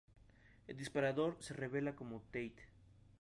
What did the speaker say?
El disparador se revela como Tate.